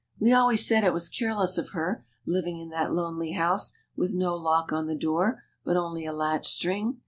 We always said it was careless of her, living in that lonely house, with no lock on the door, but only a latch string.